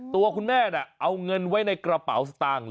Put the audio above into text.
ตัวคุณแม่เอาเงินไว้ในกระเป๋าสตางค์